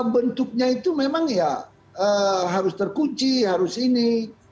bentuknya itu memang ya harus terkunci harus ini